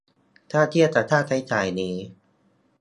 ถ้าเทียบจากค่าใช้จ่ายนี้